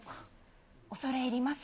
恐れ入ります。